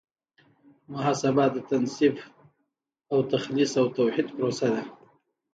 محاسبه د تنصیف او تخلیص او توحید پروسه ده.